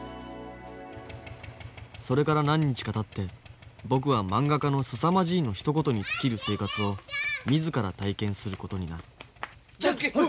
それから何日かたって僕はまんが家のすさまじいのひと言に尽きる生活を自ら体験することになるジャンケンポン！